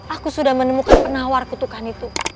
aku sudah menemukan penawar kutukan itu